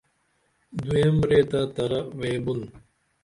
دوئم ریتہ ترہ وے بُن